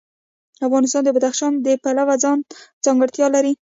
افغانستان د بدخشان د پلوه ځانته ځانګړتیا لري.